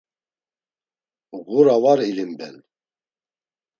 Ğura var ilimben.